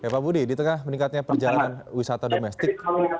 pak budi di tengah meningkatnya perjalanan wisata domestik